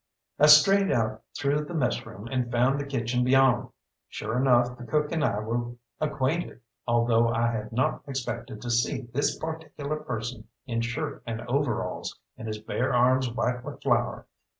I strayed out through the messroom and found the kitchen beyond. Sure enough the cook and I were acquainted, although I had not expected to see this particular person in shirt and overalls, and his bare arms white with flour.